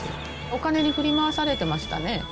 お金に振り回されていましたね。